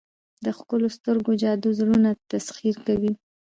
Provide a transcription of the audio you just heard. د ښکلو سترګو جادو زړونه تسخیر کوي.